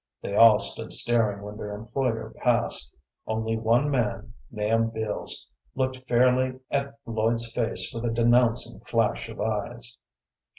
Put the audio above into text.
They all stood staring when their employer passed. Only one man, Nahum Beals, looked fairly at Lloyd's face with a denouncing flash of eyes.